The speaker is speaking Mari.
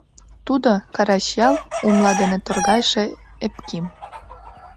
Тудо — Карач ял, умла дене торгайше Эпким.